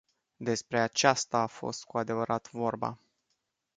Despre aceasta a fost cu adevărat vorba.